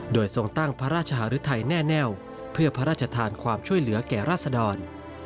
โดยทรงตั้งพระราชหรือไทยแน่วเพื่อพระราชทานความช่วยเหลือแก่ราษดร